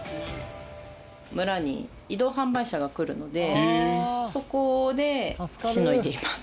村に移動販売車が来るのでそこでしのいでいます。